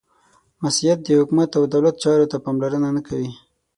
• مسیحیت د حکومت او دولت چارو ته پاملرنه نهکوي.